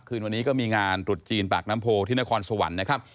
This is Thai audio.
คืนวันนี้ก็มีงานตรุษจีนปากน้ำโพที่นครสวรรค์นะครับ